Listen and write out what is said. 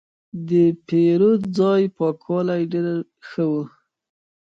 د پیرود ځای پاکوالی ډېر ښه و.